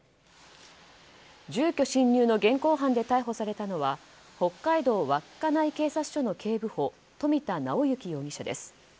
住居侵入の現行犯で逮捕されたのは北海道稚内警察署の警部補富田直行容疑者です。